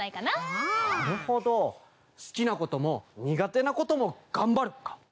なるほど好きなことも苦手なことも頑張る！か。